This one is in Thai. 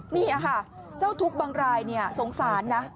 นี่ค่ะเจ้าทุกข์บางรายสงสารนะ